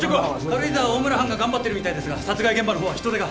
軽井沢は大村班が頑張ってるみたいですが殺害現場の方は人手が。